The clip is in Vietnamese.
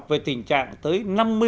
về tình trạng tới năm mươi